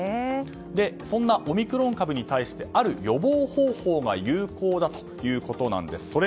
そんなオミクロン株に対してある予防方法が有効だということなんです。